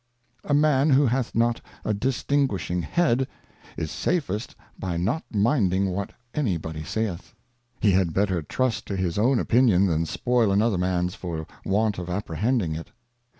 A Man who hath not a distinguishing Head, is safest by not minding what any body sayeth. He had better trust to his own Opinion, than spoil another Man^s for want of apprehending it.